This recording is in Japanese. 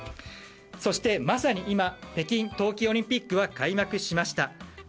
そしてまさに今北京冬季オリンピックが開幕しました。